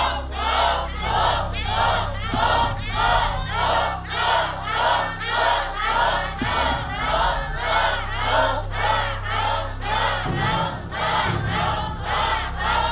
ดอก